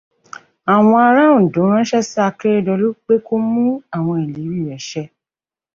Àwọn ará Òǹdó ránṣẹ́ sí Akérédolú pé kó mú àwọn ìlérí rẹ̀ ṣẹ.